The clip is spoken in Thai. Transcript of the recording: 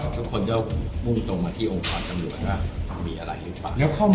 ทุกคนก็มุ่งตรงมาที่องค์กรตำรวจว่ามันมีอะไรหรือเปล่า